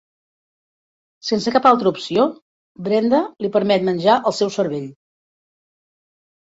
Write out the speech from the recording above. Sense cap altra opció, Brenda li permet menjar el seu cervell.